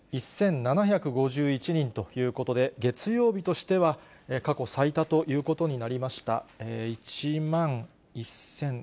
１万１７５１人ということで、月曜日としては過去最多ということになりました。